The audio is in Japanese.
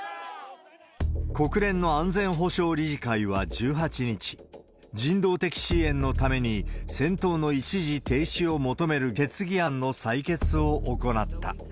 国連の安全保障理事会は１８日、人道的支援のために戦闘の一時停止を求める決議案の採決を行った。